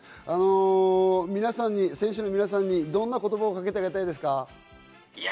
皆さんに選手の皆さんにどんな言葉をかけてあげたいですか？